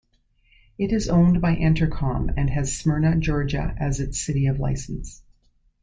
It is owned by Entercom, and has Smyrna, Georgia as its city of license.